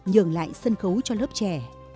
nhường lại sân khấu cho lớp trẻ